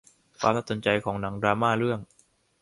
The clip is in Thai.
ความน่าสนใจของหนังดราม่าเรื่อง